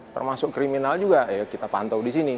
termasuk kriminal juga ya kita pantau di sini